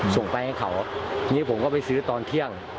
ส่งไปให้เขาทีนี้ผมก็ไปซื้อตอนเที่ยง